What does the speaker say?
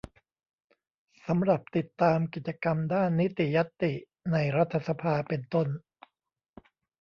สำหรับติดตามกิจกรรมด้านนิติญัตติในรัฐสภา เป็นต้น